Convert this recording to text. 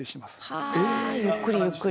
はあゆっくりゆっくり。